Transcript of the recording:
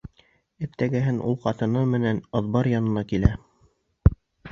Иртәгәһен ул ҡатыны менән аҙбар янына килә.